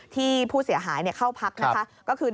ที่ผู้เสียหายเข้าพัก